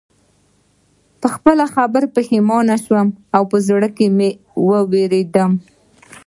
په خپله خبره پښېمانه شوم او په زړه کې ووېرېدم